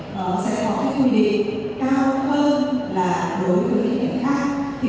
thì có thể sẽ có cái quy định cao hơn là đối với những hành động khác